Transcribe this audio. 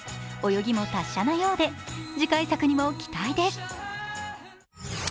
泳ぎも達者なようで次回作にも期待です。